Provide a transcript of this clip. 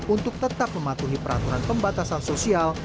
untuk tetap mematuhi peraturan pembatasan sosial